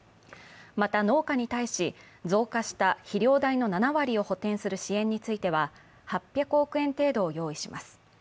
また農家に対し、増加した肥料代の７割を補填する支援については８００億円程度を用意します。